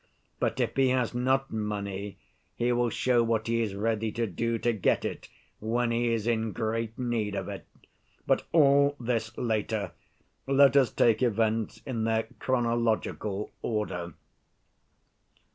But if he has not money, he will show what he is ready to do to get it when he is in great need of it. But all this later, let us take events in their chronological order.